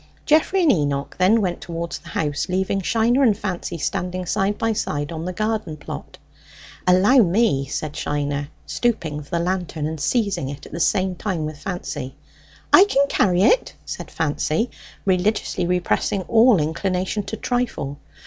Geoffrey and Enoch then went towards the house, leaving Shiner and Fancy standing side by side on the garden plot. "Allow me," said Shiner, stooping for the lantern and seizing it at the same time with Fancy. "I can carry it," said Fancy, religiously repressing all inclination to trifle.